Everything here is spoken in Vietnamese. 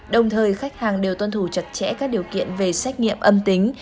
đồng thời khách hàng đều tuân thủ chặt chẽ các điều kiện về xét nghiệm âm tính